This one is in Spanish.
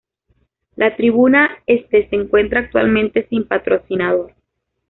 La tribuna este se encuentra actualmente sin patrocinador.